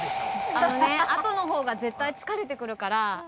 あのねあとのほうが絶対疲れてくるから。